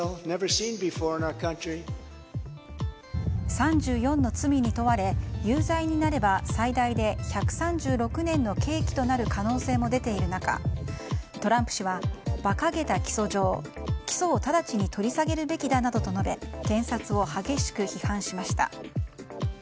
３４の罪に問われ有罪になれば、最大で１３６年の刑期となる可能性も出ている中トランプ氏はばかげた起訴状、起訴を直ちに取り下げるべきだなどと述べ検察を激しく批判しました。